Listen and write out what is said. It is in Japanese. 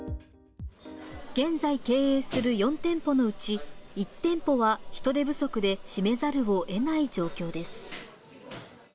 現在経営する４店舗のうち、１店舗は人手不足で閉めざるをえない状況です。